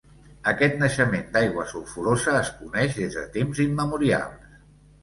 Aquest naixement d'aigua sulfurosa es coneix des de temps immemorials.